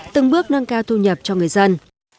từng bước nâng cao thu nhập cho người dân